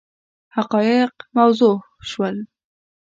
حقایق موضح شول.